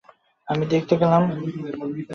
আমি দেখতে গেলাম।